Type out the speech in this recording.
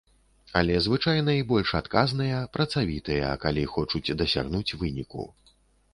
Але звычайна і больш адказныя, працавітыя, калі хочуць дасягнуць выніку.